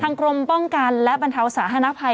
ทางกรมป้องกันและบรรเทาสาหนะภัย